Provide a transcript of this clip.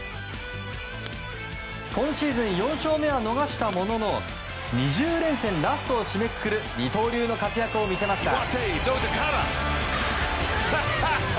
今シーズン４勝目は逃したものの２０連戦ラストを締めくくる二刀流の活躍を見せました。